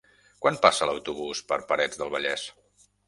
Quan passa l'autobús per Parets del Vallès?